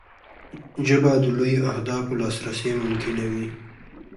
ژبه د لویو اهدافو لاسرسی ممکنوي